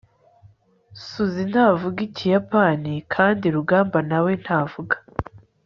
susie ntavuga ikiyapani, kandi rugamba na we ntavuga